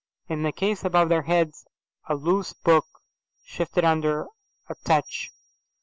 In the case above their heads a loose book shifted under a touch.